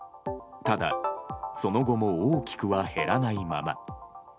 ただ、その後も大きくは減らないまま。